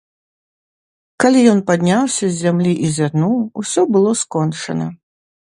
Калі ён падняўся з зямлі і зірнуў, усё было скончана.